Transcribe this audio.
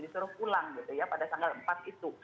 disuruh pulang gitu ya pada tanggal empat itu